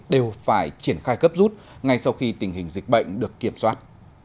đều phải triển khai cấp rút ngay sau khi tình hình dịch bệnh được kiểm soát